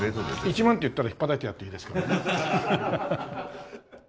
１万って言ったら引っぱたいてやっていいですからね。